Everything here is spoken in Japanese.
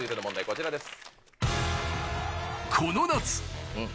こちらです。